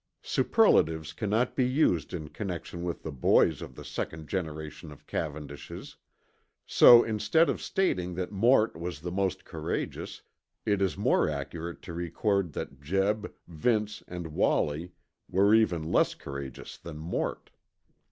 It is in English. Superlatives cannot be used in connection with the boys of the second generation of Cavendishes. So instead of stating that Mort was the most courageous, it is more accurate to record that Jeb, Vince, and Wallie were even less courageous than Mort.